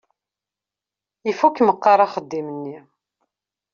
Ifukk meqqar axeddim-nni.